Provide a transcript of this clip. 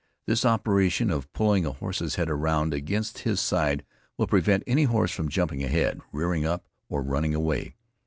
This operation of pulling a horse's head around against his side will prevent any horse from jumping ahead, rearing up, or running away.